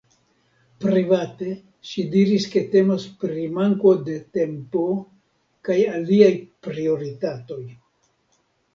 Private ŝi diris ke temas pri manko de tempo kaj aliaj prioritatoj.